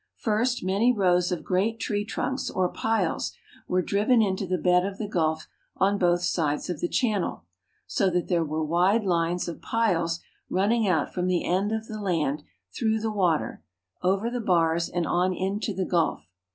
First many rows of great tree trunks, or piles, were driven into the bed of the gulf on both sides of the channel, so that there were wide lines of piles running out from the end of the land through the water, over the bars, and on into the gulf.